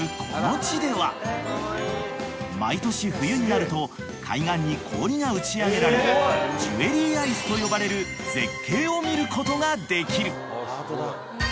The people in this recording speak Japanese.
この地では毎年冬になると海岸に氷が打ち上げられジュエリーアイスと呼ばれる絶景を見ることができる］